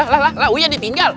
lah lah lah uya ditinggal